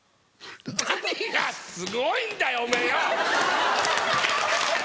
何がすごいんだよおめぇよ！